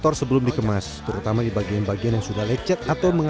rusuk aja dapet dong